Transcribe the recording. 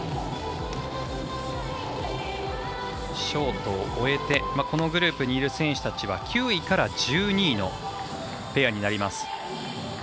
ショートを終えてこのグループにいる選手たちは９位から１２位のペアになります。